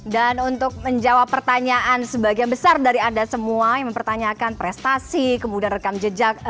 dan untuk menjawab pertanyaan sebagian besar dari anda semua yang mempertanyakan prestasi kemudian rekam jejak